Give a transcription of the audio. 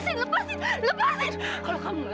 ini ibu bu